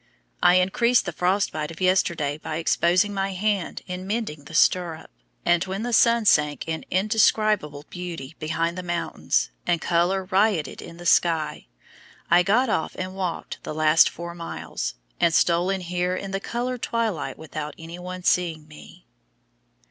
I increased the frostbite of yesterday by exposing my hand in mending the stirrup; and when the sun sank in indescribable beauty behind the mountains, and color rioted in the sky, I got off and walked the last four miles, and stole in here in the colored twilight without any one seeing me.